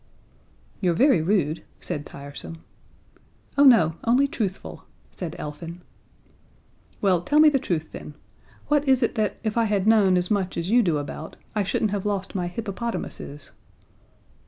"You're very rude," said Tiresome. "Oh, no, only truthful," said Elfin. "Well, tell me the truth, then. What is it that, if I had known as much as you do about, I shouldn't have lost my hippopotamuses?"